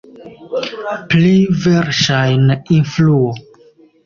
Pli verŝajne influo.